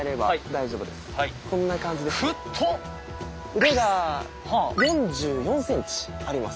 腕が４４ｃｍあります。